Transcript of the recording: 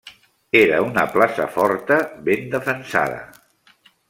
Era una plaça forta ben defensada.